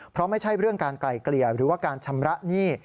เพราะไม่ใช่เรื่องการไกลเกลี่ยหรือว่าการชำระหนี้